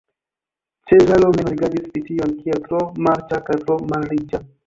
Cezaro mem rigardis Brition kiel tro marĉa kaj tro malriĉa.